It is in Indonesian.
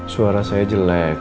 suara saya jelek